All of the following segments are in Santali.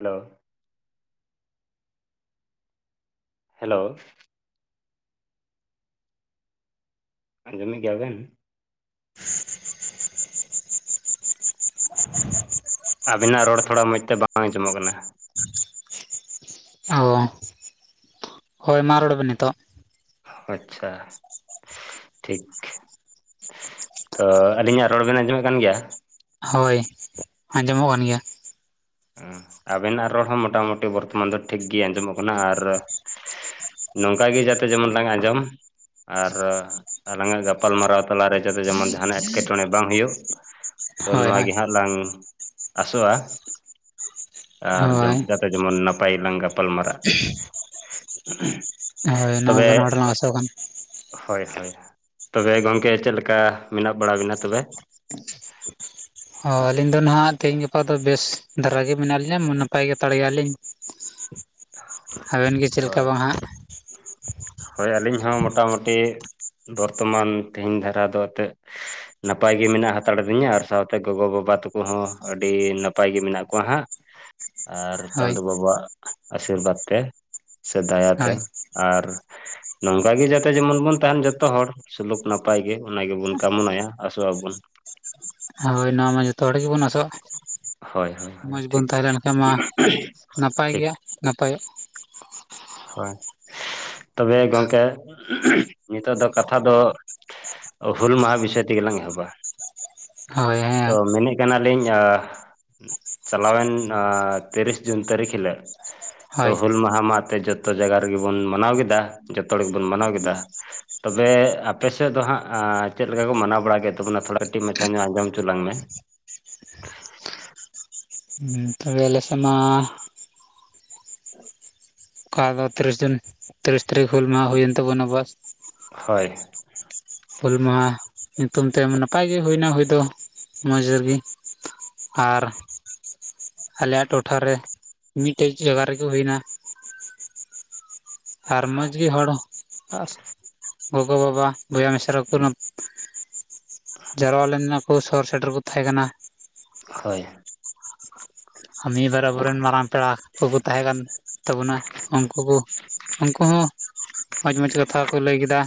ᱦᱮᱞᱳ ᱦᱮᱞᱳ ᱟᱸᱡᱚᱢᱮᱫ ᱜᱮᱭᱟ ᱵᱮᱱ [inaudible] ᱟᱵᱤᱱᱟᱜ ᱨᱚᱲ ᱛᱷᱚᱲᱟ ᱢᱚᱡᱽ ᱛᱮ ᱵᱟᱝ ᱟᱸᱡᱚᱢᱚᱜ ᱠᱟᱱᱟ ᱦᱮ ᱚ ᱦᱳᱭ ᱢᱟ ᱨᱚᱲ ᱵᱤᱱ ᱱᱤᱛᱚᱜ ᱟᱪᱪᱷᱟ ᱴᱷᱤᱠ ᱛᱚ ᱟᱹᱞᱤᱧᱟᱜ ᱨᱚᱲ ᱵᱮᱱ ᱟᱸᱡᱚᱢᱮᱫ ᱠᱟᱱ ᱜᱮᱭᱟ ᱦᱳᱭ ᱟᱸᱡᱚᱢᱚᱜ ᱠᱟᱱ ᱜᱮᱭᱟ ᱦᱮ ᱟᱵᱮᱱᱟᱜ ᱨᱚᱲ ᱦᱚᱸ ᱢᱟᱴᱟᱢᱩᱴᱤ ᱵᱚᱨᱛᱚᱢᱟᱱ ᱫᱚ ᱴᱷᱤᱠ ᱜᱮ ᱟᱸᱡᱚᱢᱚᱜ ᱠᱟᱱᱟ ᱟᱨ ᱱᱚᱝᱠᱟ ᱜᱮ ᱡᱟᱛᱮ ᱡᱮᱢᱚᱱ ᱞᱟᱝ ᱟᱸᱡᱚᱢ ᱟᱨ ᱟᱞᱟᱝᱟ ᱜᱟᱯᱟᱞ ᱢᱟᱨᱟᱨᱟᱣ ᱛᱟᱞᱟᱨᱮ ᱡᱟᱛᱮ ᱡᱮᱢᱚᱱ ᱡᱟᱦᱟᱱᱟᱜ ᱮᱴᱠᱮᱴᱚᱬᱮ ᱵᱟᱝ ᱦᱳᱭᱳᱜ ᱛᱚ ᱦᱳᱭ ᱱᱚᱣᱟ ᱦᱳᱭ ᱜᱮ ᱦᱟᱜᱽ ᱞᱟᱝ ᱟᱥᱚᱜ-ᱟ ᱟᱨ ᱡᱚᱢ ᱦᱳᱭ ᱡᱟᱛᱮ ᱡᱮᱢᱚᱱ ᱱᱟᱯᱟᱭ ᱞᱟᱝ ᱜᱟᱯᱟᱞᱢᱟᱨᱟᱜ-ᱟ ᱾ [unintelligible] ᱦᱳᱭ ᱱᱚᱣᱟ ᱵᱟᱱᱟ ᱦᱚᱲ ᱞᱟᱝ ᱟᱥᱚᱜ ᱠᱟᱱ ᱾ ᱦᱳᱭ ᱦᱳᱭ ᱛᱚᱵᱮ ᱜᱚᱢᱠᱮ ᱪᱮᱫᱞ ᱞᱮᱠᱟ ᱢᱮᱱᱟᱜ ᱵᱟᱲᱟ ᱵᱤᱱᱟ ᱛᱚᱵᱮ? ᱦᱚ ᱟᱹᱞᱤᱧ ᱫᱚ ᱱᱟᱦᱟᱜ ᱛᱮᱦᱮᱧ ᱜᱟᱯᱟ ᱫᱚ ᱵᱮᱥ ᱫᱷᱟᱨᱟ ᱜᱮ ᱢᱮᱱᱟᱜ ᱞᱤᱧᱟ ᱱᱟᱯᱟᱭ ᱜᱮ ᱦᱟᱛᱟᱲ ᱜᱮᱭᱟ ᱞᱤᱧ ᱾ ᱟᱵᱮᱱ ᱜᱮ ᱦᱳᱭ ᱪᱮᱫᱞᱮᱠᱟ ᱵᱟᱝ ᱦᱟᱜ? ᱦᱳᱭ ᱟᱹᱞᱤᱧ ᱦᱚᱸ ᱢᱳᱴᱟᱢᱩᱴᱤ ᱵᱚᱨᱛᱚᱢᱟᱱ ᱛᱮᱦᱤᱧ ᱫᱷᱟᱨᱟ ᱫᱚ ᱛᱮᱫ ᱱᱟᱯᱟᱭ ᱜᱮ ᱢᱮᱱᱟᱜ ᱦᱟᱛᱟᱲ ᱟᱹᱫᱤᱧᱟ ᱟᱨ ᱥᱟᱶᱛᱮ ᱜᱚᱜᱚᱼᱵᱟᱵᱟ ᱛᱟᱠᱚ ᱦᱚᱸ ᱟᱹᱰᱤ ᱱᱟᱯᱟᱭ ᱜᱮ ᱢᱮᱱᱟᱜ ᱠᱚᱣᱟ ᱦᱟᱸᱜ ᱾ ᱟᱨ ᱦᱳᱭ ᱪᱟᱸᱫᱳ ᱵᱟᱵᱟ ᱟᱜ ᱟᱥᱤᱨᱵᱟᱫᱽ ᱛᱮ ᱥᱮ ᱫᱟᱭᱟᱛᱮ ᱦᱳᱭ ᱟᱨ ᱱᱚᱝᱠᱟ ᱜᱮ ᱡᱟᱛᱮ ᱡᱮᱢᱚᱱ ᱵᱚᱱ ᱛᱟᱦᱮᱱ ᱡᱷᱚᱛᱚ ᱦᱚᱲ ᱾ ᱥᱩᱞᱩᱠ ᱱᱟᱯᱟᱭ ᱜᱮ ᱚᱱᱟ ᱜᱮᱵᱚᱱ ᱠᱟᱢᱚᱱᱟᱭᱟ ᱟᱥᱚᱜ ᱟᱵᱚᱱ ᱦᱳᱭ ᱱᱚᱣᱟ ᱢᱟ ᱡᱷᱚᱛᱚ ᱦᱚᱲ ᱜᱮᱵᱚᱱ ᱟᱥᱚᱜᱼᱟ ᱦᱳᱭ ᱦᱳᱭ ᱾ ᱦᱳᱭ ᱢᱚᱡᱽ ᱵᱚᱱ ᱴᱷᱤᱠ ᱛᱟᱦᱮᱸᱞᱮᱱᱠᱷᱟᱱ ᱢᱟ ᱱᱟᱯᱟᱭ ᱴᱷᱤᱠ ᱜᱮ ᱱᱟᱯᱟᱭᱚᱜ ᱦᱳᱭ ᱛᱚᱵᱮ ᱜᱚᱢᱠᱮ ᱱᱤᱛᱚᱜ ᱫᱚ ᱠᱟᱛᱷᱟ ᱫᱚ ᱦᱩᱞ ᱢᱟᱦᱟ ᱵᱤᱥᱚᱭ ᱛᱮᱜᱮᱞᱟᱝ ᱮᱦᱚᱵᱟ ᱦᱳᱭ ᱛᱚ ᱦᱮᱸ ᱢᱮᱱᱮᱫ ᱠᱟᱱᱟᱞᱤᱧ ᱪᱟᱞᱟᱣᱮᱱ ᱛᱤᱨᱤᱥ ᱡᱩᱱ ᱛᱟᱹᱨᱤᱠᱷ ᱦᱤᱞᱳᱜ ᱛᱚ ᱦᱳᱭ ᱦᱩᱞ ᱢᱟᱦᱟ ᱢᱟᱛᱮ ᱡᱚᱛᱚ ᱡᱟᱭᱜᱟ ᱨᱮᱜᱮ ᱵᱚᱱ ᱢᱟᱱᱟᱣ ᱠᱮᱫᱟ ᱡᱚᱛᱚ ᱦᱚᱲᱜᱮᱵᱚᱱ ᱢᱟᱱᱟᱣ ᱠᱮᱫᱟ ᱾ ᱛᱚᱵᱮ ᱟᱯᱮ ᱥᱮᱫ ᱫᱚ ᱦᱟᱸᱜ ᱪᱮᱫᱠᱟ ᱠᱚ ᱢᱟᱱᱟᱣ ᱵᱟᱲᱟ ᱠᱮᱫ ᱛᱟᱵᱚᱱᱟ ᱛᱷᱚᱲᱟ ᱠᱟᱹᱴᱤᱡ ᱢᱟᱪᱷᱟ ᱧᱚᱜ ᱟᱸᱡᱚᱢ ᱦᱚᱪᱚ ᱞᱟᱝ ᱢᱮ ᱾ ᱛᱚᱵᱮ ᱟᱞᱮ ᱥᱮᱫ ᱢᱟ ᱚᱠᱟ ᱫᱚ ᱛᱤᱨᱤᱥ ᱡᱩᱱ ᱛᱤᱨᱤᱥ ᱛᱟᱹᱨᱤᱠᱷ ᱦᱩᱞ ᱢᱟᱦᱟ ᱦᱩᱭᱮᱱ ᱛᱟᱵᱚᱱᱟ ᱵᱟᱥ ᱾ ᱦᱳᱭ ᱦᱩᱞ ᱢᱟᱦᱟ ᱧᱩᱛᱩᱢ ᱛᱮ ᱱᱟᱯᱟᱭᱜᱤ ᱦᱩᱭᱱᱟ ᱦᱩᱭ ᱫᱚ ᱢᱚᱸᱡᱽ ᱨᱮᱜᱤ ᱾ ᱟᱨ ᱟᱞᱮᱭᱟᱜ ᱴᱚᱴᱷᱟ ᱨᱮ ᱢᱤᱫᱴᱮᱡ ᱡᱟᱭᱜᱟ ᱨᱮᱜᱮ ᱦᱩᱭᱱᱟ ᱾ ᱟᱨ ᱢᱚᱡᱽ ᱜᱮ ᱦᱚᱲ ᱟᱨ ᱜᱚᱜᱚᱼᱵᱟᱵᱟ ᱵᱚᱭᱦᱟ ᱢᱤᱥᱨᱟ ᱠᱚ ᱡᱟᱨᱣᱟ ᱞᱮᱱ ᱱᱟ ᱠᱚ ᱥᱚᱦᱚᱨ ᱥᱮᱴᱮᱨ ᱠᱚ ᱛᱟᱦᱮᱸᱠᱟᱱᱟ ᱦᱳᱭ ᱟᱨ ᱢᱤᱫᱵᱟᱨ ᱟᱵᱚᱨᱮᱱ ᱢᱟᱨᱟᱝ ᱯᱮᱲᱟ ᱠᱚᱠᱚ ᱛᱟᱦᱮᱸ ᱠᱟᱱ ᱛᱟᱵᱚᱱᱟ ᱩᱱᱠᱩ ᱠᱚ ᱩᱱᱠᱩ ᱦᱚᱸ ᱢᱚᱸᱡᱽ ᱢᱚᱡᱽ ᱠᱟᱛᱷᱟ ᱠᱚ ᱞᱟᱹᱭ ᱠᱮᱫᱟ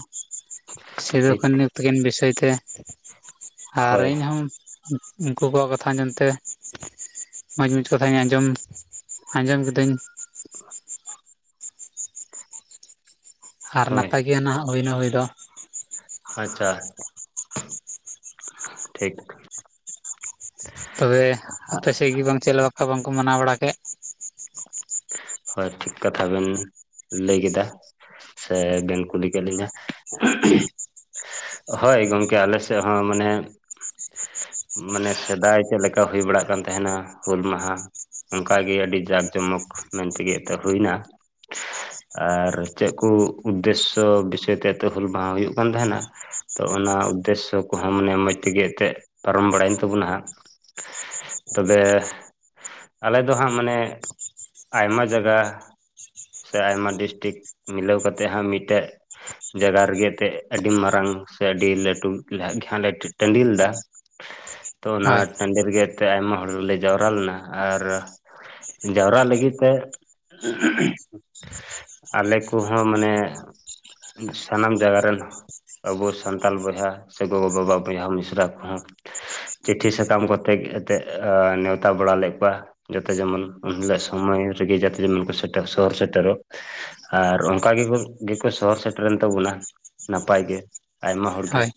ᱴᱷᱤᱠ ᱥᱤᱫᱩᱠᱟᱹᱱᱩ ᱛᱟᱹᱠᱤᱱ ᱵᱤᱥᱚᱭ ᱛᱮ ᱟᱨ ᱦᱳᱭ ᱤᱧᱦᱚᱸ ᱩᱱᱠᱩ ᱠᱚᱣᱟᱜ ᱠᱟᱛᱷᱟ ᱟᱡᱚᱢ ᱛᱮ ᱢᱚᱸᱡᱽ ᱢᱚᱡᱽ ᱠᱟᱛᱷᱟᱧ ᱟᱸᱡᱚᱢ ᱟᱸᱡᱚᱢ ᱠᱤᱫᱟᱹᱧ ᱾ [unintelligible] ᱟᱨ ᱦᱳᱭ ᱱᱟᱯᱟᱭ ᱜᱮ ᱱᱟᱜ ᱦᱩᱭᱱᱟ ᱦᱩᱭ ᱫᱚ ᱾ ᱟᱪᱪᱷᱟ ᱴᱷᱤᱠ ᱛᱚᱵᱮ ᱟᱯᱮ ᱥᱮᱫ ᱜᱮᱤ ᱵᱟᱝ ᱪᱮᱫ ᱵᱟᱠᱷᱟ ᱵᱟᱝᱠᱚ ᱢᱟᱱᱟᱣ ᱵᱟᱲᱟ ᱠᱮᱫ? ᱦᱳᱭ ᱴᱷᱤᱠ ᱠᱟᱛᱷᱟ ᱵᱮᱱ ᱞᱟᱹᱭ ᱠᱮᱫᱟ ᱾ ᱥᱮ ᱵᱮᱱ ᱠᱩᱞᱤ ᱠᱮᱫ ᱞᱤᱧᱟ? ᱦᱳᱭ ᱜᱚᱢᱠᱮ ᱟᱞᱮ ᱥᱮᱫ ᱦᱚᱸ ᱢᱟᱱᱮ ᱢᱟᱱᱮ ᱥᱮᱫᱟᱭ ᱪᱮᱫᱞᱮᱠᱟ ᱦᱩᱭ ᱵᱟᱲᱟᱜ ᱠᱟᱱ ᱛᱟᱦᱮᱱᱟ ᱦᱩᱞ ᱢᱟᱦᱟ ᱚᱱᱠᱟᱜᱮ ᱟᱹᱰᱤ ᱡᱟᱠ ᱡᱚᱢᱚᱠ ᱢᱮᱱ ᱛᱮᱜᱮ ᱛᱚ ᱦᱩᱭᱱᱟ ᱾ ᱟᱨ ᱪᱮᱫ ᱠᱚ ᱩᱫᱽᱫᱮᱥᱥᱚ ᱵᱤᱥᱚᱭ ᱛᱮ ᱮᱛᱚ ᱦᱩᱞ ᱢᱟᱦᱟ ᱦᱩᱭᱩᱜ ᱠᱟᱱ ᱛᱟᱦᱮᱱᱟ ᱛᱚ ᱚᱱᱟ ᱩᱫᱽᱫᱮᱥᱥᱚ ᱠᱚᱦᱚᱸ ᱢᱟᱱᱮ ᱢᱚᱡᱽ ᱛᱮᱜᱮ ᱛᱮᱜ ᱯᱟᱨᱚᱢ ᱵᱟᱲᱟᱭᱮᱱ ᱛᱟᱵᱚᱱᱟ ᱦᱟᱸᱜ ᱾ ᱛᱚᱵᱮ ᱟᱞᱮ ᱫᱚ ᱦᱟᱸᱜ ᱢᱟᱱᱮ ᱟᱭᱢᱟ ᱡᱟᱭᱜᱟ ᱥᱮ ᱟᱭᱢᱟ ᱰᱤᱥᱴᱤᱠ ᱢᱤᱞᱟᱹᱣ ᱠᱟᱛᱮᱫ ᱦᱟᱸᱜ ᱢᱤᱫᱴᱮᱱ ᱡᱟᱭᱜᱟ ᱨᱮᱜᱮ ᱮᱱᱛᱮᱫ ᱟᱹᱰᱤ ᱢᱟᱨᱟᱝ ᱥᱮ ᱟᱹᱰᱤ ᱞᱟᱹᱴᱩ [unintelligible] ᱴᱟᱺᱰᱤ ᱞᱮᱫᱟ ᱛᱚ ᱚᱱᱟ ᱦᱳᱭ ᱴᱟᱺᱰᱤ ᱨᱮᱜᱮ ᱮᱱᱛᱮ ᱟᱭᱢᱟ ᱦᱚᱲᱞᱮ ᱡᱟᱣᱨᱟ ᱞᱮᱱᱟ ᱟᱨ ᱡᱟᱣᱨᱟ ᱞᱟᱹᱜᱤᱜ ᱛᱮ ᱟᱞᱮ ᱠᱩ ᱦᱚᱸ ᱢᱟᱱᱮ ᱥᱟᱱᱟᱢ ᱡᱟᱭᱜᱟ ᱨᱮᱱᱼᱼ ᱟᱹᱵᱩ ᱥᱟᱱᱛᱟᱞ ᱵᱚᱭᱦᱟ ᱥᱮ ᱜᱚᱜᱚᱼᱵᱟᱵᱟ ᱵᱚᱭᱦᱟ ᱢᱤᱥᱨᱟ ᱠᱩᱦᱚᱸᱼᱼ ᱪᱤᱴᱷᱤ ᱥᱟᱠᱟᱢ ᱠᱚᱛᱮ ᱜᱮ ᱮᱛᱮᱜ ᱱᱮᱶᱛᱟ ᱵᱟᱲᱟ ᱞᱮᱜ ᱠᱚᱣᱟ᱾ ᱡᱟᱛᱮ ᱡᱮᱢᱚᱱ ᱩᱱ ᱦᱤᱞᱳᱜ ᱥᱚᱢᱚᱭ ᱨᱮᱜᱮ ᱡᱟᱛᱮ ᱡᱮᱢᱚᱱ ᱠᱩ ᱥᱮᱴᱮᱨ ᱥᱚᱦᱚᱨ ᱥᱮᱴᱮᱨᱚᱜᱼᱼ ᱟᱨ ᱚᱱᱠᱟ ᱜᱤᱵᱩᱱ ᱜᱤᱠᱩ ᱥᱚᱦᱚᱨ ᱥᱮᱴᱮᱨᱮᱱ ᱛᱟᱹᱵᱩᱱᱟ᱾ ᱱᱟᱯᱟᱭ ᱜᱮ ᱟᱭᱢᱟ ᱦᱚᱲ ᱜᱮ᱾ ᱦᱳᱭ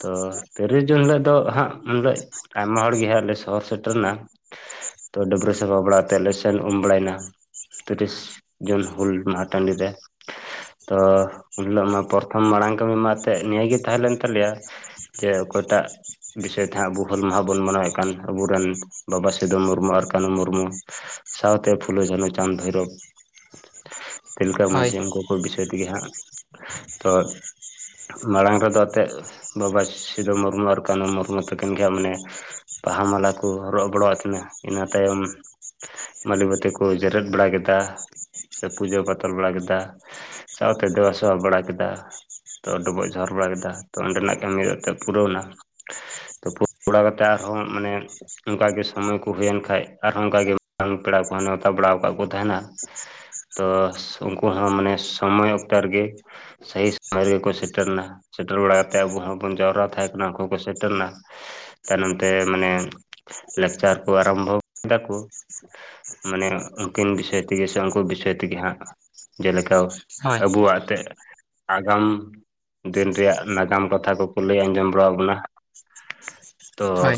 ᱛᱚ ᱛᱤᱨᱤᱥ ᱡᱩᱱ ᱦᱤᱞᱳᱜ ᱫᱚ ᱦᱟᱸᱜ ᱩᱱ ᱦᱤᱞᱟᱹᱜᱼᱼ ᱟᱭᱢᱟ ᱦᱚᱲ ᱜᱮ ᱦᱟᱸᱜ ᱞᱮ ᱥᱚᱦᱚᱨ ᱥᱮᱴᱮᱨ ᱱᱟ ᱛᱚ ᱰᱟᱹᱵᱽᱨᱟᱹ ᱥᱟᱯᱟ ᱵᱟᱲᱟᱼᱼ ᱛᱮᱜ ᱞᱮ ᱥᱮᱱ ᱩᱢ ᱵᱟᱲᱟᱭ ᱱᱟ ᱛᱤᱨᱤᱥ ᱡᱩᱱ ᱦᱩᱞ ᱢᱟᱦᱟᱸ ᱴᱟᱺᱰᱤ ᱨᱮ᱾ ᱛᱚ ᱩᱱ ᱦᱤᱞᱳᱜ ᱢᱟ ᱯᱚᱨᱛᱷᱚᱢ ᱢᱟᱬᱟᱝ ᱠᱟᱹᱢᱤ ᱢᱟ ᱮᱱᱛᱮᱜ ᱱᱤᱭᱟᱹ ᱜᱮ ᱛᱟᱦᱮᱸ ᱞᱮᱱ ᱛᱟᱞᱮᱭᱟ᱾ ᱡᱮ ᱚᱠᱚᱭ ᱴᱟᱜᱼᱼ ᱵᱤᱥᱚᱭ ᱛᱮ ᱦᱟᱸᱜ ᱟᱹᱵᱩ ᱦᱩᱞ ᱢᱟᱦᱟᱸ ᱵᱩᱱ ᱢᱟᱱᱟᱣᱮᱜ ᱠᱟᱱ ᱟᱹᱵᱩ ᱨᱮᱱ ᱵᱟᱵᱟ ᱥᱤᱫᱚ ᱢᱩᱨᱢᱩ ᱟᱨ ᱠᱟᱱᱩ ᱢᱩᱨᱢᱩ᱾ ᱥᱟᱶᱛᱮ ᱯᱷᱩᱞᱳ, ᱡᱷᱟᱱᱚ, ᱪᱟᱸᱫᱽ, ᱵᱷᱚᱭᱨᱚᱵᱽ᱾ ᱛᱤᱞᱠᱟᱹ ᱦᱳᱭ ᱢᱟᱺᱡᱷᱤ ᱩᱱᱠᱩ ᱠᱚ ᱵᱤᱥᱚᱭ ᱛᱮ ᱜᱮ ᱦᱟᱸᱜ ᱛᱚᱼᱼ ᱢᱟᱬᱟᱝ ᱨᱮᱫᱚ ᱮᱛᱮᱜ ᱵᱟᱵᱟ ᱥᱤᱫᱚ ᱢᱩᱨᱢᱩ ᱟᱨ ᱠᱟᱱᱩ ᱢᱩᱨᱢᱩ ᱛᱟᱹᱠᱤᱱ ᱜᱮ ᱦᱟᱸᱜ ᱢᱟᱱᱮᱼᱼ ᱵᱟᱦᱟ ᱢᱟᱞᱟ ᱠᱩ‌ ᱦᱚᱨᱚᱜ ᱵᱚᱲᱚᱣᱟᱜ ᱠᱤᱱᱟᱹ ᱤᱱᱟᱹ ᱛᱟᱭᱚᱢᱼᱼ ᱢᱟᱹᱞᱤ ᱵᱟᱹᱛᱤ ᱠᱚ ᱡᱮᱨᱮᱫ ᱵᱟᱲᱟ ᱠᱮᱫᱟ ᱥᱮ ᱯᱩᱡᱟᱹ ᱯᱟᱛᱚᱞ ᱵᱟᱲᱟ ᱠᱮᱫᱟ᱾ ᱥᱟᱶᱛᱮ ᱫᱮᱵᱟ ᱥᱮᱵᱟ ᱵᱟᱲᱟ ᱠᱮᱫᱟ᱾ ᱛᱚ ᱰᱚᱵᱚᱜ ᱡᱚᱦᱟᱨ ᱵᱟᱲᱟ ᱠᱮᱫᱟ ᱛᱚ ᱚᱸᱰᱮ ᱱᱟᱜ ᱠᱟᱹᱢᱤ ᱫᱚ ᱮᱛᱮᱜ ᱯᱩᱨᱟᱹᱣ ᱱᱟ᱾ ᱛᱩᱯᱩ ᱵᱟᱲᱟ ᱠᱟᱛᱮᱜ ᱟᱨᱦᱚᱸ ᱢᱟᱱᱮ ᱚᱱᱠᱟ ᱜᱮ ᱥᱚᱢᱚᱭ ᱠᱚ ᱦᱩᱭᱮᱱ ᱠᱷᱟᱡ ᱟᱨᱦᱚᱸ ᱚᱱᱠᱟ ᱜᱮᱼᱼ ᱛᱟᱱ ᱯᱮᱲᱟ ᱠᱚᱦᱚᱸ ᱱᱮᱣᱛᱟ ᱵᱟᱲᱟᱣ ᱠᱟᱜ ᱠᱚ ᱛᱟᱦᱮᱱᱟᱼᱼ ᱛᱚ ᱩᱱᱠᱩ ᱦᱚᱸ ᱢᱟᱱᱮ ᱥᱚᱢᱚᱭ ᱚᱠᱛᱮ ᱨᱮᱜᱤᱼᱼ ᱥᱟᱹᱦᱤ ᱥᱚᱢᱚᱭ ᱨᱮᱜᱮ ᱠᱚ ᱥᱮᱴᱮᱨ ᱱᱟ᱾ ᱥᱮᱴᱮᱨ ᱵᱟᱲᱟ ᱠᱟᱛᱮᱜ ᱟᱹᱵᱩ ᱦᱚᱸ ᱵᱩᱱ ᱡᱟᱣᱨᱟ ᱛᱟᱦᱮᱸ ᱠᱟᱱᱟ ᱩᱱᱠᱩ ᱦᱚᱸ ᱠᱚ ᱥᱮᱴᱮᱨ ᱱᱟ᱾ ᱛᱟᱭᱱᱚᱢ ᱛᱮ ᱢᱟᱱᱮ ᱞᱟᱠᱪᱟᱨ ᱠᱚ ᱟᱨᱚᱢᱵᱷᱚᱣ ᱠᱮᱫᱟ ᱠᱩ᱾ ᱢᱟᱱᱮ ᱩᱱᱠᱤᱱ ᱵᱤᱥᱚᱭ ᱛᱮᱜᱮ ᱥᱮ ᱩᱱᱠᱩ ᱵᱤᱥᱚᱭ ᱛᱮᱜᱮ ᱦᱟᱸᱜ ᱡᱮᱞᱮᱠᱟᱼ ᱦᱳᱭ ᱟᱹᱵᱩᱣᱟᱜ ᱮᱛᱮᱜᱼᱼ ᱟᱜᱟᱢ ᱫᱤᱱ ᱨᱮᱭᱟᱜ ᱱᱟᱜᱟᱢ ᱠᱟᱛᱷᱟ ᱠᱚᱠᱚ ᱞᱟᱹᱭ ᱟᱸᱡᱚᱢ ᱵᱟᱲᱟᱣᱟᱜ ᱵᱚᱱᱟ᱾ ᱛᱚ ᱦᱳᱭ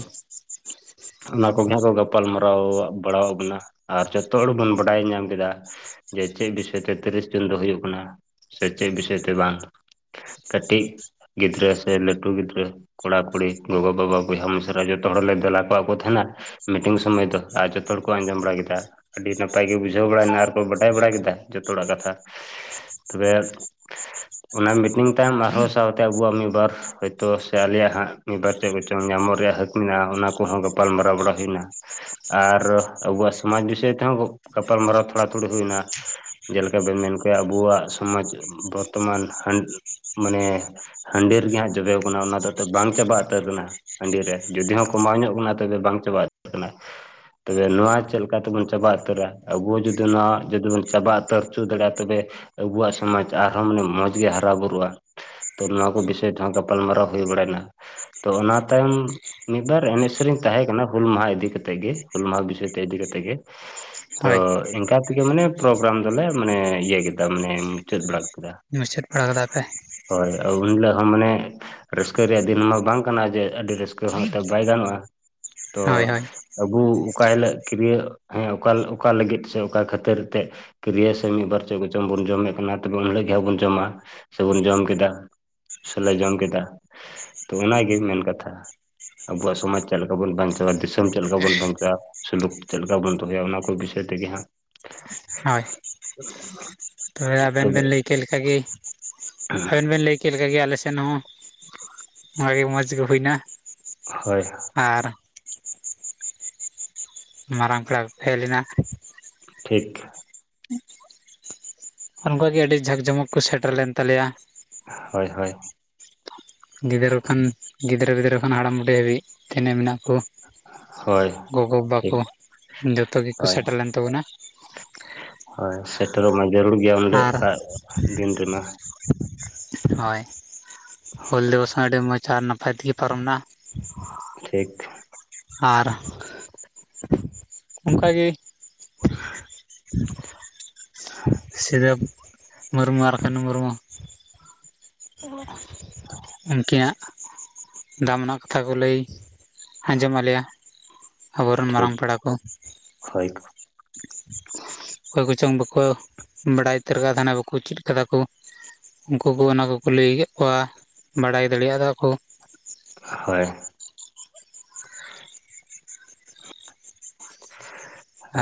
ᱚᱱᱟ ᱠᱚᱜᱮ ᱦᱟᱸᱜ ᱠᱚ ᱜᱟᱯᱟᱞ ᱢᱟᱨᱟᱣᱟᱜ ᱟᱵᱩᱼᱼ ᱯᱟᱲᱟᱣᱟᱜ ᱵᱩᱱᱟ ᱟᱨ ᱡᱚᱛᱚ ᱦᱚᱲ ᱵᱩᱱ ᱵᱟᱰᱟᱭ ᱧᱟᱢ ᱠᱮᱫᱟ᱾ ᱡᱮ ᱪᱮᱜ ᱵᱤᱥᱚᱭ ᱛᱮ ᱛᱤᱨᱤᱥ ᱡᱩᱱ ᱫᱚ ᱦᱩᱭᱩᱜ ᱠᱟᱱᱟ ᱥᱮ ᱪᱮᱜ ᱵᱤᱥᱚᱭ ᱛᱮ ᱵᱟᱝ᱾ ᱠᱟᱹᱴᱤᱡ ᱜᱤᱫᱽᱨᱟᱹ ᱥᱮ ᱞᱟᱹᱴᱩ ᱜᱤᱫᱽᱨᱟᱹᱼᱼ ᱠᱚᱲᱟ ᱠᱩᱲᱤ ᱜᱚᱜᱚ ᱵᱟᱵᱟ ᱵᱚᱭᱦᱟ ᱢᱤᱥᱨᱟ ᱡᱚᱛᱚ ᱦᱚᱲ ᱞᱮ ᱫᱮᱞᱟ ᱠᱚᱣᱟᱜ ᱠᱚ ᱛᱟᱦᱮᱱᱟ ᱢᱤᱴᱤᱝ ᱥᱚᱢᱟᱹᱭ ᱫᱚ ᱟᱨ ᱡᱚᱛᱼᱼ ᱡᱚᱛᱚ ᱦᱚᱲ ᱠᱚ ᱟᱸᱡᱚᱢ ᱵᱟᱲᱟ ᱠᱮᱫᱟ ᱟᱹᱰᱤ ᱱᱟᱯᱟᱭ ᱜᱮ ᱵᱩᱡᱷᱟᱹᱣ ᱵᱟᱲᱟᱭ ᱱᱟ ᱟᱨᱠᱚ ᱵᱟᱰᱟᱭ ᱵᱟᱲᱟ ᱠᱮᱫᱟ ᱡᱚᱛᱚ ᱦᱚᱲᱟᱜ ᱠᱟᱛᱷᱟ᱾ ᱛᱚᱵᱮ ᱚᱱᱟ ᱢᱤᱴᱤᱝ ᱛᱟᱭᱚᱢ ᱟᱨᱦᱚᱸ ᱥᱟᱶᱛᱮ ᱟᱹᱵᱩᱣᱟᱜ ᱢᱤᱜ ᱵᱟᱨᱼᱼ ᱦᱳᱭᱛᱚ ᱥᱮ ᱟᱞᱮ ᱭᱟᱜ ᱦᱟᱸᱜ ᱢᱤᱫ ᱵᱟᱨ ᱪᱮᱫ ᱠᱚᱪᱚᱝ ᱧᱟᱢᱚᱜ ᱨᱮᱭᱟᱜ ᱦᱟᱹᱠ ᱢᱮᱱᱟᱜ-ᱟ ᱚᱱᱟ ᱠᱚᱦᱚᱸ ᱜᱟᱯᱟᱞ ᱢᱟᱨᱟᱣ ᱵᱟᱲᱟ ᱦᱩᱭ ᱱᱟ᱾ ᱟᱨ ᱟᱹᱵᱩᱣᱟᱜ ᱥᱚᱢᱟᱡᱽ ᱵᱤᱥᱚᱭ ᱛᱮᱦᱚᱸ ᱜᱚ ᱜᱟᱯᱟᱞ ᱢᱟᱨᱟᱣ ᱛᱷᱚᱲᱟᱼᱛᱷᱩᱲᱤ ᱦᱩᱭᱱᱟ᱾ ᱡᱮᱞᱮᱠᱟ ᱵᱮᱱ ᱢᱮᱱ ᱠᱚᱭᱟ ᱟᱹᱵᱩᱣᱟᱜ ᱥᱚᱢᱟᱡᱽ ᱵᱚᱨᱛᱚ ᱢᱟᱱ ᱦᱟᱹᱱ ᱢᱟᱱᱮᱼᱼ ᱦᱟᱺᱰᱤ ᱨᱮᱜᱮ ᱦᱟᱸᱜ ᱡᱚᱵᱮᱣ ᱠᱟᱱᱟ ᱚᱱᱟ ᱫᱚ ᱛᱮᱜ ᱵᱟᱝ ᱪᱟᱵᱟ ᱩᱛᱟᱹᱨ ᱠᱟᱱᱟ᱾ ᱦᱟᱺᱰᱤ ᱨᱮ ᱡᱩᱫᱤ ᱦᱚᱸ ᱠᱚᱢᱟᱣ ᱧᱚᱜ ᱵᱚᱱᱟ ᱛᱚᱵᱮ ᱵᱟᱝ ᱪᱟᱵᱟᱜ ᱩᱛᱟᱹᱨ ᱠᱟᱱᱟ᱾ ᱛᱚᱵᱮ ᱱᱚᱣᱟ ᱪᱮᱜ ᱞᱮᱠᱟ ᱛᱮᱵᱩᱱ ᱪᱟᱵᱟ ᱩᱛᱟᱹᱨᱟ ᱟᱹᱵᱩ ᱦᱚᱸ ᱡᱩᱫᱤ ᱱᱚᱣᱟ ᱡᱩᱫᱤ ᱵᱩᱱ ᱪᱟᱵᱟ ᱩᱛᱟᱹᱨ ᱪᱩ ᱫᱟᱲᱮᱜ-ᱟ ᱛᱚᱵᱮᱼᱼ ᱟᱹᱵᱩᱣᱟᱜ ᱥᱚᱢᱟᱡᱽ ᱟᱨᱦᱚᱸ ᱢᱟᱱᱮ ᱢᱚᱸᱡᱽ ᱜᱮ ᱦᱟᱨᱟ ᱵᱩᱨᱩᱜ-ᱟ᱾ ᱛᱚ ᱱᱚᱣᱟ ᱠᱚ ᱵᱤᱥᱚᱭ ᱛᱮᱦᱚᱸ ᱜᱟᱯᱟᱞ ᱢᱟᱨᱟᱣ ᱦᱩᱭ ᱵᱟᱲᱟᱭ ᱱᱟ᱾ ᱛᱚ ᱚᱱᱟ ᱛᱟᱭᱚᱢ ᱢᱤᱜ ᱵᱟᱨ ᱮᱱᱮᱡ ᱥᱮᱨᱮᱧ ᱛᱟᱦᱮᱸ ᱠᱟᱱᱟ ᱦᱩᱞ ᱢᱟᱦᱟᱸ ᱤᱫᱤ ᱠᱟᱛᱮᱜ ᱜᱮ᱾ ᱦᱩᱞ ᱢᱟᱦᱟᱸ ᱵᱤᱥᱚᱭ ᱛᱮ ᱤᱫᱤ ᱠᱟᱛᱮᱜ ᱜᱮ᱾ ᱛᱚ ᱦᱳᱭ ᱮᱱᱠᱟ ᱛᱮᱜᱮ ᱢᱟᱱᱮ ᱯᱨᱳᱜᱽᱨᱟᱢ ᱫᱚᱞᱮ ᱢᱟᱱᱮ ᱤᱭᱟᱹ ᱠᱮᱫᱟ ᱢᱟᱱᱮ ᱢᱩᱪᱟᱹᱫ ᱵᱟᱲᱟᱼᱼ ᱢᱩᱪᱟᱹᱫ ᱵᱟᱲᱟ ᱠᱟᱫᱟ ᱯᱮ᱾ ᱦᱚᱭ ᱩᱱ ᱦᱤᱞᱚᱜ ᱦᱚᱸ ᱢᱟᱱᱮᱼᱼ ᱨᱟᱹᱥᱠᱟᱹ ᱨᱮᱭᱟᱜ ᱫᱤᱱ ᱢᱟ ᱵᱟᱝ ᱠᱟᱱᱟ ᱡᱮ ᱟᱹᱰᱤ ᱨᱟᱹᱥᱠᱟᱹ ᱦᱚᱸ ᱛᱮᱜ ᱵᱟᱭ ᱜᱟᱱᱚᱜ-ᱟ᱾ ᱛᱚ ᱦᱳᱭ ᱦᱳᱭ ᱟᱵᱩᱜ᱾ ᱚᱠᱟ ᱦᱤᱞᱟᱹᱜ ᱠᱤᱨᱤᱭᱟᱹ ᱦᱮᱸ ᱚᱠᱟ ᱚᱠᱟ ᱞᱟᱹᱜᱤᱫ ᱥᱮ ᱚᱠᱟ ᱠᱷᱟᱹᱛᱤᱨ ᱛᱮ᱾ ᱠᱤᱨᱤᱭᱟᱹ ᱥᱮ ᱢᱤᱫᱵᱟᱨ ᱪᱮᱫ ᱠᱚᱪᱚᱝ ᱵᱚᱱ ᱡᱚᱢᱮᱫ ᱠᱟᱱᱟ ᱛᱚᱵᱮ ᱩᱱᱦᱤᱞᱟᱹᱜ ᱜᱮ ᱦᱟᱸᱜ ᱵᱚᱱ ᱡᱚᱢᱟ ᱥᱮᱵᱚᱱ ᱡᱚᱢ ᱠᱮᱫᱟ᱾ ᱥᱮ ᱞᱮ ᱡᱚᱢ ᱠᱮᱫᱟ᱾ ᱛᱚ ᱚᱱᱟᱜᱮ ᱢᱮᱱ ᱠᱟᱛᱷᱟ᱾ ᱟᱵᱚᱣᱟᱜ ᱥᱚᱢᱟᱡᱽ ᱪᱮᱫᱞᱮᱠᱟ ᱵᱚᱱ ᱵᱟᱧᱪᱟᱣᱟ ᱫᱤᱥᱚᱢ ᱪᱮᱫᱞᱮᱠᱟ ᱵᱚᱱ ᱵᱟᱧᱪᱟᱣᱟ᱾ ᱪᱷᱟᱠ ᱥᱩᱞᱩᱠ ᱪᱮᱫ ᱞᱮᱠᱟ ᱵᱚᱱ ᱫᱚᱦᱚᱭᱟ ᱚᱱᱟ ᱠᱚ ᱵᱤᱥᱚᱭ ᱛᱮᱜᱮ ᱦᱟᱸᱜ᱾ ᱦᱳᱭ, ᱛᱚᱵᱮ ᱟᱵᱮᱱ ᱵᱮᱱ ᱞᱟᱹᱭ ᱠᱮᱫ ᱞᱮᱠᱟᱜᱮ, ᱟᱵᱮᱱ ᱵᱮᱱ ᱞᱟᱹᱭ ᱮᱠᱟᱜᱮ ᱟᱞᱮ ᱥᱮᱱ ᱦᱚᱸ ᱚᱱᱟᱜᱮ ᱢᱚᱡᱽ ᱜᱮ ᱦᱩᱭᱱᱟ᱾ ᱦᱳᱭ᱾ ᱟᱨ, ᱢᱟᱨᱟᱝ ᱯᱮᱲᱟ ᱯᱷᱮᱞᱱᱟ᱾ ᱴᱷᱤᱠ᱾ ᱚᱱᱠᱚ ᱜᱮ ᱟᱹᱰᱤ ᱡᱷᱟᱠ ᱡᱷᱚᱢᱚᱠ ᱠᱚ ᱥᱮᱴᱮᱨ ᱞᱮᱱ ᱛᱟᱞᱮᱭᱟ᱾ ᱦᱳᱭ ᱦᱳᱭ᱾ ᱜᱤᱫᱽᱨᱟᱹ ᱠᱷᱚᱱ, ᱜᱤᱫᱽᱨᱟᱹ ᱯᱤᱫᱽᱨᱟᱹ ᱠᱷᱚᱱ ᱦᱟᱲᱟᱢ ᱵᱩᱰᱷᱤ ᱦᱟᱹᱵᱤᱡ ᱛᱮᱱᱮᱡ ᱢᱮᱱᱟᱜ ᱠᱚ᱾ ᱦᱳᱭ ᱜᱚᱜᱚᱼᱵᱟ᱾ ᱴᱷᱤᱠ ᱠᱚ ᱡᱚᱛᱚ ᱜᱮᱠᱚ ᱦᱳᱭ ᱥᱮᱴᱮᱨ ᱞᱮᱱ ᱛᱟᱵᱚᱱᱟᱹ ᱾ ᱦᱳᱭ, ᱥᱮᱴᱮᱨᱚᱜ ᱢᱟ ᱡᱟᱹᱨᱩᱲ ᱜᱮᱭᱟ ᱚᱸᱰᱮ ᱟᱨ ᱟᱜ ᱫᱤᱱ ᱨᱮᱢᱟ᱾ [inaudible] ᱦᱳᱭ, ᱦᱩᱞ ᱫᱤᱣᱚᱥ ᱦᱚᱸ ᱟᱹᱰᱤ ᱢᱚᱸᱡᱽ ᱟᱨ ᱱᱟᱯᱟᱭ ᱛᱮᱜᱮ ᱯᱟᱨᱚᱢᱱᱟ᱾ ᱴᱷᱤᱠ᱾ ᱟᱨ, ᱚᱱᱠᱟᱜᱮ᱾ [unintelligible] ᱥᱤᱫᱟᱹ ᱢᱩᱨᱢᱩ ᱟᱨ ᱠᱟᱱᱦᱩ ᱢᱩᱨᱢᱩ᱾ [inaudible] ᱩᱱᱠᱤᱱᱟᱜ ᱫᱟᱢᱱᱟᱜ ᱠᱟᱛᱷᱟ ᱠᱚ ᱞᱟᱹᱭ ᱟᱸᱡᱚᱢ ᱟᱞᱮᱭᱟ᱾ ᱟᱵᱚᱨᱮᱱ ᱴᱷᱤᱠ ᱢᱟᱨᱟᱝ ᱯᱮᱲᱟ ᱠᱚ᱾ ᱦᱳᱭ᱾ ᱚᱠᱚᱭ ᱠᱚᱪᱚᱝ ᱵᱟᱠᱚ ᱵᱟᱰᱟᱭ ᱩᱛᱟᱹᱨ ᱠᱟ ᱛᱟᱦᱮᱱᱟ ᱵᱟᱠᱚ ᱪᱮᱫ ᱠᱟᱫᱟ ᱠᱚ᱾ ᱩᱱᱠᱩ ᱠᱚ ᱚᱱᱟ ᱠᱚᱠᱚ ᱞᱟᱹᱭ ᱠᱮᱫ ᱠᱚᱣᱟ ᱵᱟᱰᱟᱭ ᱫᱟᱲᱮᱭᱟᱫᱟ ᱠᱚ᱾ ᱦᱳᱭ᱾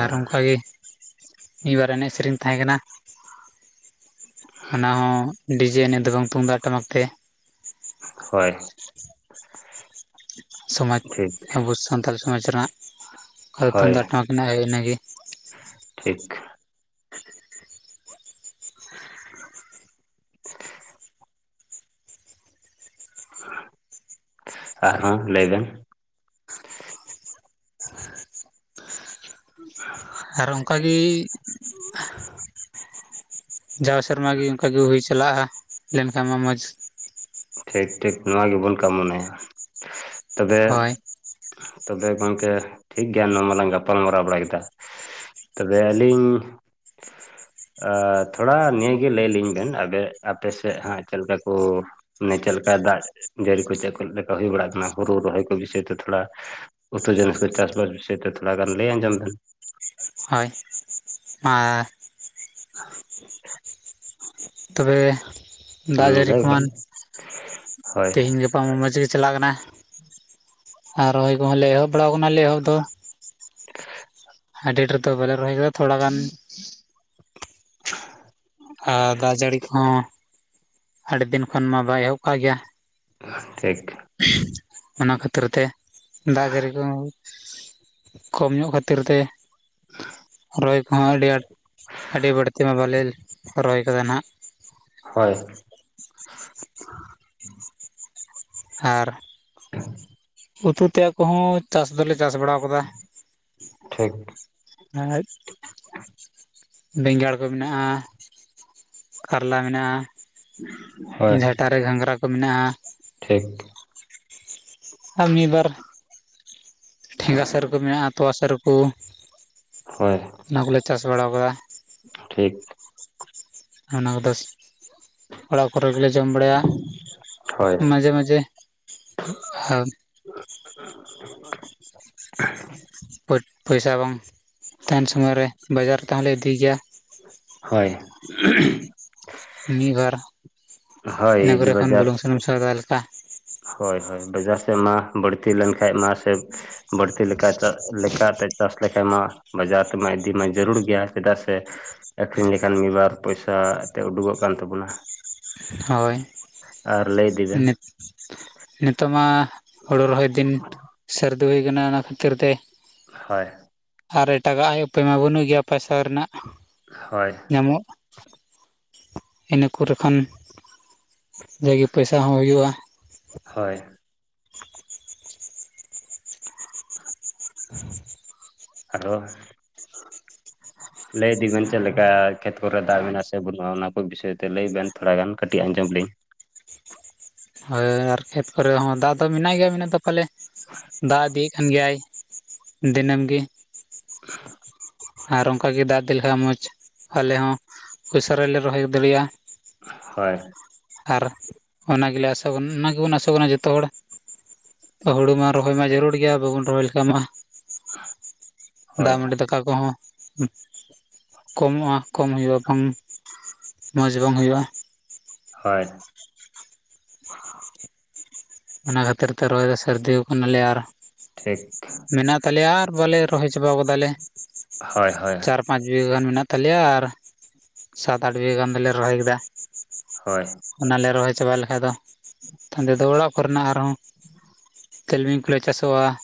ᱟᱨ ᱚᱱᱠᱟᱜᱮ ᱢᱤᱫᱵᱟᱨ ᱮᱱᱮᱡ ᱥᱮᱨᱮᱧ ᱛᱟᱦᱮᱸ ᱠᱟᱱᱟ᱾ ᱚᱱᱟ ᱦᱚᱸ ᱰᱤᱡᱮ ᱮᱱᱮᱜ ᱫᱚ ᱵᱟᱝ ᱛᱩᱢᱫᱟᱜ ᱴᱟᱢᱟᱠ ᱛᱮ᱾ ᱦᱳᱭ᱾ ᱥᱚᱢᱟᱡᱽ, ᱴᱷᱤᱠ ᱟᱵᱚ ᱥᱟᱱᱛᱟᱞ ᱥᱚᱢᱟᱡᱽ ᱨᱮᱱᱟᱜ ᱚᱠᱟ ᱦᱳᱭ ᱛᱩᱢᱫᱟᱜ ᱴᱟᱢᱟᱠ ᱦᱮᱱᱟᱜ-ᱟ ᱤᱱᱟᱹᱜᱤ᱾ ᱴᱷᱤᱠ᱾ [inaudible] ᱟᱨ ᱦᱚᱸ ᱞᱟᱹᱭ ᱵᱮᱱ? [inaudible] ᱟᱨ ᱚᱱᱠᱟᱜᱤ᱾ ᱡᱟᱣ ᱥᱮᱨᱢᱟ ᱜᱤ ᱚᱱᱠᱟᱜᱤ ᱦᱩᱭ ᱪᱟᱞᱟᱜᱼᱟ᱾ ᱞᱮᱱᱠᱷᱟᱱ ᱢᱟ ᱢᱚᱡᱽ᱾ ᱴᱷᱤᱠ ᱴᱷᱤᱠ ᱱᱚᱣᱟ ᱜᱮᱵᱚᱱ ᱠᱟᱢᱚᱱᱮᱭᱟ᱾ ᱛᱚᱵᱮ, ᱦᱳᱭ ᱛᱚᱵᱮ ᱜᱚᱝᱠᱮ ᱴᱷᱤᱠ ᱜᱮᱭᱟ ᱱᱚᱣᱟ ᱢᱟᱞᱟᱝ ᱜᱟᱯᱟᱞ ᱢᱟᱨᱟᱣ ᱵᱟᱲᱟ ᱠᱮᱫᱟ᱾ ᱛᱚᱵᱮ ᱟᱹᱞᱤᱧ, ᱟ ᱛᱷᱚᱲᱟ ᱱᱤᱭᱟᱹᱜᱮ ᱞᱟᱹᱭᱞᱤᱧ ᱵᱮᱱ, ᱟᱵᱮ ᱟᱯᱮᱥᱮᱫ ᱦᱟᱸᱜ ᱪᱮᱫ ᱞᱮᱠᱟ ᱠᱚ, ᱢᱟᱱᱮ ᱪᱮᱫ ᱞᱮᱠᱟ ᱫᱟᱜ ᱡᱟᱹᱲᱤ ᱠᱚ ᱪᱮᱫ ᱪᱮᱫ ᱞᱮᱠᱟ ᱦᱩᱭ ᱵᱟᱲᱟᱜ ᱠᱟᱱᱟ ᱦᱩᱲᱩ ᱨᱚᱦᱚᱭ ᱠᱚ ᱵᱤᱥᱚᱭ ᱛᱮ ᱛᱷᱚᱲᱟ ᱾ ᱩᱛᱩ ᱡᱤᱱᱤᱥ ᱠᱚ ᱪᱟᱥ ᱵᱟᱥ ᱵᱤᱥᱚᱭ ᱛᱮ ᱛᱷᱚᱲᱟ ᱜᱟᱱ ᱞᱟᱹᱭ ᱟᱡᱚᱢ ᱵᱮᱱ᱾ ᱦᱳᱭ, ᱟᱻ [inaudible] ᱛᱚᱵᱮ, ᱫᱟᱜ ᱦᱩᱸ ᱡᱟᱹᱲᱤ ᱞᱟᱹᱭ ᱠᱷᱚᱱ ᱵᱮᱱ ᱦᱳᱭ ᱛᱮᱦᱮᱧ ᱜᱟᱯᱟ ᱢᱟ ᱢᱚᱡᱽ ᱜᱮ ᱪᱟᱞᱟᱜ ᱠᱟᱱᱟ᱾ ᱟᱨ ᱨᱚᱦᱚᱭ ᱠᱚᱦᱚᱸ ᱞᱮ ᱮᱦᱚᱵ, ᱵᱟᱲᱟᱣ ᱠᱟᱱᱟᱞᱮ ᱮᱦᱚᱵ ᱫᱚ, ᱨᱮᱴ ᱨᱮᱫᱚ ᱵᱟᱞᱮ ᱨᱚᱦᱚᱭ ᱟᱠᱟᱫᱟ ᱛᱷᱚᱲᱟ ᱜᱟᱱ, [inaudible] ᱟᱨ ᱫᱟᱜ ᱡᱟᱹᱲᱤ ᱠᱚᱦᱚᱸ ᱟᱹᱰᱤ ᱫᱤᱱ ᱠᱷᱚᱱ ᱢᱟ ᱵᱟᱭ ᱮᱦᱚᱵ ᱠᱟᱜ ᱜᱮᱭᱟ ᱾ ᱴᱷᱤᱠ, ᱚᱱᱟ ᱠᱷᱟᱹᱛᱤᱨ ᱛᱮ ᱫᱟᱜ ᱡᱟᱹᱲᱤ ᱠᱚ, ᱠᱚᱢ ᱧᱚᱜ ᱠᱷᱟᱹᱛᱤᱨ ᱛᱮ ᱨᱚᱦᱚᱭ ᱠᱚᱦᱚᱸ ᱟᱹᱰᱤ ᱟᱴ ᱟᱹᱰᱤ ᱵᱟᱹᱲᱛᱤ ᱢᱟ ᱵᱟᱞᱮ ᱨᱚᱦᱚᱭ ᱠᱟᱫᱟ ᱱᱟᱦᱟᱜ, ᱦᱳᱭ [inaudible] ᱟᱨ ᱩᱛᱩ ᱛᱮᱫ ᱠᱚᱦᱚᱸ ᱪᱟᱥ ᱫᱚᱞᱮ ᱪᱟᱥ ᱵᱟᱲᱟᱣ, ᱠᱟᱫᱟ ᱴᱷᱤᱠ ᱱᱚᱜᱼᱚᱭ, ᱵᱮᱸᱜᱟᱲ ᱠᱚ ᱢᱮᱱᱟᱜᱼᱟ ᱠᱟᱨᱞᱟ ᱢᱮᱱᱟᱜᱼᱟ ᱦᱳᱭ ᱾ ᱡᱷᱟᱴᱟ ᱨᱮ ᱜᱷᱟᱸᱜᱽᱨᱟ ᱠᱚ ᱢᱮᱱᱟᱜᱼᱟ ᱾ ᱴᱷᱤᱠ ᱟᱜ ᱢᱤᱫ ᱵᱟᱨ ᱴᱷᱮᱸᱜᱟ ᱥᱟᱹᱨᱩ ᱠᱩ, ᱢᱮᱱᱟᱜᱼᱟ ᱛᱚᱣᱟ ᱥᱟᱹᱨᱩ ᱠᱩ, ᱦᱳᱭ ᱚᱱᱟ ᱠᱚᱞᱮ ᱪᱟᱥ ᱵᱟᱲᱟᱣ ᱠᱟᱫᱟ ᱾ ᱴᱷᱤᱠ ᱚᱱᱟᱜ ᱫᱚᱥ, ᱚᱲᱟᱜ ᱠᱚᱨᱮ ᱜᱮᱞᱮ ᱡᱚᱢ ᱵᱟᱲᱟᱭᱟ ᱦᱳᱭ ᱢᱟᱡᱮ ᱢᱟᱡᱮ ᱦᱚᱠ ᱯᱮᱴ ᱯᱚᱭᱥᱟ ᱵᱟᱝ ᱛᱟᱦᱮᱱ ᱥᱚᱢᱚᱭ ᱨᱮ ᱵᱟᱡᱟᱨ ᱛᱮᱦᱚᱸᱞᱮ ᱤᱫᱤ ᱜᱮᱭᱟ ᱾ ᱦᱳᱭ ᱢᱤᱫ ᱵᱟᱨ ᱦᱳᱭ ᱤᱱᱟᱹ ᱠᱚᱨᱮ ᱠᱷᱚᱱ ᱵᱟᱡᱟᱨ ᱵᱩᱞᱩᱝ ᱥᱩᱱᱩᱢ ᱥᱟᱣᱫᱟ ᱞᱮᱠᱟ ᱾ ᱦᱳᱭ ᱦᱳᱭ ᱵᱟᱡᱟᱨ ᱥᱮᱜ ᱢᱟ ᱵᱟᱹᱲᱛᱤ ᱞᱮᱱ ᱠᱷᱟᱡ ᱢᱟ ᱥᱮ, ᱵᱟᱹᱲᱛᱤ ᱞᱮᱠᱟ ᱪᱟ ᱞᱮᱠᱟᱛᱮ ᱪᱟᱥ ᱞᱮᱠᱷᱟᱡ ᱢᱟ, ᱵᱟᱡᱟᱨ ᱛᱮᱢᱟ ᱤᱫᱤ ᱢᱟ ᱡᱟᱹᱨᱩᱲ ᱜᱮᱭᱟ ᱪᱮᱫᱟᱜ ᱥᱮ, ᱟᱹᱠᱷᱨᱤᱧ ᱞᱮᱠᱷᱟᱱ ᱢᱤᱫ ᱵᱟᱨ ᱯᱚᱭᱥᱟ ᱮᱴᱛᱮ ᱩᱰᱩᱠᱚᱜ ᱠᱟᱱ ᱛᱟᱹᱵᱩᱱᱟ ᱾ ᱦᱳᱭ ᱞᱟᱹᱭ ᱤᱫᱤ ᱵᱮᱱ ᱱᱤᱛ ᱱᱤᱛᱚᱜᱼᱢᱟ ᱾ ᱦᱳᱲᱳ ᱨᱚᱦᱚᱭ ᱫᱤᱱ ᱥᱟᱹᱨᱫᱤ ᱦᱳᱭ ᱠᱟᱱᱟ ᱚᱱᱟ ᱠᱷᱟᱹᱛᱤᱨ ᱛᱮ, ᱦᱳᱭ ᱟᱨ ᱮᱴᱟᱜᱟᱜ ᱟᱹᱭ ᱩᱯᱟᱹᱭ ᱢᱟ ᱵᱟᱹᱱᱩᱜ ᱜᱮᱭᱟ ᱯᱟᱭᱥᱟ ᱨᱮᱱᱟᱜ ᱦᱳᱭ ᱧᱟᱢᱚᱜ ᱤᱱᱟᱹ ᱠᱚᱨᱮ ᱠᱷᱚᱱ ᱡᱟᱜᱮ ᱯᱚᱭᱥᱟ ᱦᱚᱸ ᱦᱩᱭᱩᱜᱼᱟ ᱾ ᱦᱳᱭ [inaudible] ᱟᱨᱮ ᱦᱚᱸ ᱞᱟᱹᱭ ᱤᱫᱤ ᱵᱮᱱ ᱪᱮᱫ ᱞᱮᱠᱟ ᱠᱷᱮᱛ ᱠᱚᱨᱮ ᱫᱟᱜ ᱢᱮᱱᱟᱜᱼᱟ ᱥᱮ ᱵᱟᱹᱱᱩᱜᱼᱟ ᱚᱱᱟ ᱠᱚ ᱵᱤᱥᱚᱭ ᱛᱮ ᱞᱟᱹᱭ ᱵᱮᱱ ᱛᱷᱚᱲᱟ ᱜᱟᱱ ᱠᱟᱹᱴᱤᱡ ᱟᱸᱡᱚᱢ ᱞᱤᱧ ᱦᱳᱭ ᱟᱨ ᱠᱷᱮᱛ ᱠᱚᱨᱮ ᱦᱚᱸ ᱫᱟᱜ ᱫᱚ ᱢᱮᱱᱟᱜ ᱜᱮᱭᱟ ᱢᱮᱱᱟᱜ ᱫᱚ ᱯᱟᱞᱮ, ᱫᱟᱜ ᱤᱫᱤᱭᱮᱫ ᱠᱷᱟᱱ ᱜᱮᱭᱟᱭ ᱫᱤᱱᱟᱹᱢ ᱜᱤ [inaudible] ᱟᱨ ᱚᱝᱠᱟᱜᱮ ᱫᱟᱜ ᱤᱫᱤ ᱞᱮᱠᱷᱟᱡ ᱢᱚᱪ ᱟᱞᱮ ᱦᱚᱸ ᱩᱥᱟᱹ ᱨᱟᱞᱮ ᱨᱚᱦᱚᱭ ᱫᱟᱲᱮᱭᱟᱜᱼᱟ ᱾ ᱦᱳᱭ ᱟᱨ ᱚᱱᱟ ᱜᱮᱞᱮ ᱟᱥᱚᱜ ᱠᱟᱱᱟ ᱚᱱᱟ ᱜᱮᱵᱩᱱ ᱟᱥᱚᱜ ᱠᱟᱱᱟ ᱡᱚᱛᱚ ᱦᱚᱲ ᱦᱩᱲᱩ ᱢᱟ ᱨᱚᱦᱚᱭ ᱢᱟ ᱡᱟᱹᱨᱩᱲ ᱜᱮᱭᱟ ᱵᱟᱹᱵᱩᱱ ᱨᱚᱦᱚᱭ ᱞᱮᱠᱷᱟᱡ ᱢᱟ ᱦᱳᱭ ᱫᱟᱜ ᱢᱟᱺᱰᱤ ᱫᱟᱠᱟ ᱠᱚᱦᱚᱸ ᱩᱸᱜ ᱠᱚᱢᱚᱜᱼᱟ ᱠᱚᱢ ᱦᱩᱭᱩᱜᱼᱟ ᱵᱟᱝ ᱢᱚᱡᱽ ᱵᱟᱝ ᱦᱩᱭᱩᱜᱼᱟ ᱾ ᱦᱳᱭ [inaudible] ᱚᱱᱟ ᱠᱷᱟᱹᱛᱤᱨ ᱛᱮ ᱨᱚᱦᱚᱭ ᱫᱚ ᱥᱟᱹᱨᱫᱤ ᱠᱟᱱᱟᱞᱮ ᱟᱨ ᱴᱷᱤᱠ ᱢᱮᱱᱟᱜ ᱛᱟᱞᱮᱭᱟ ᱟᱨ ᱵᱟᱞᱮ ᱨᱚᱦᱚᱭ ᱪᱟᱵᱟᱣ ᱠᱟᱫᱟᱞᱮ ᱾ ᱦᱳᱭ ᱦᱳᱭ ᱪᱟᱨ ᱯᱟᱸᱪ ᱵᱤᱜᱷᱟᱹ ᱜᱟᱱ ᱢᱮᱱᱟᱜ ᱛᱟᱞᱮᱭᱟ ᱟᱨ ᱥᱟᱛ ᱟᱴ ᱵᱤᱜᱷᱟᱹ ᱜᱟᱱ ᱫᱚᱞᱮ ᱨᱚᱦᱚᱭ ᱠᱮᱫᱟ ᱾ ᱦᱳᱭ ᱚᱱᱟᱞᱮ ᱨᱚᱦᱚᱭ ᱪᱟᱵᱟ ᱞᱮᱠᱷᱟᱡ ᱫᱚ ᱛᱟᱸᱫ ᱫᱚ ᱚᱲᱟᱜ ᱠᱚᱨᱮᱱᱟᱜ ᱟᱨᱦᱚᱸ ᱛᱤᱞᱢᱤᱧ ᱠᱚᱞᱮ ᱪᱟᱥᱚᱜᱼᱟ ᱾